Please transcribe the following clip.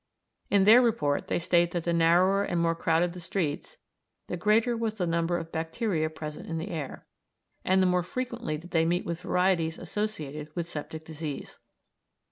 In their report they state that the narrower and more crowded the streets, the greater was the number of bacteria present in the air, and the more frequently did they meet with varieties associated with septic disease.